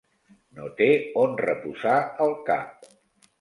No té on reposar el cap.